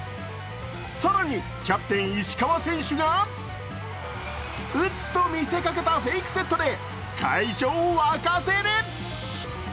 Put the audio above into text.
更にキャプテン・石川選手が打つと見せかけたフェイクセットで会場を沸かせる。